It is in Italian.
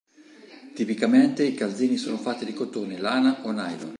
Tipicamente i calzini sono fatti di cotone, lana o nylon.